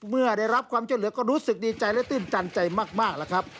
เมื่อได้รับความช่วยเหลือก็รู้สึกดีใจและตื่นตันใจมากแล้วครับ